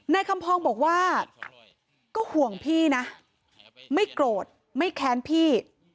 คำพองบอกว่าก็ห่วงพี่นะไม่โกรธไม่แค้นพี่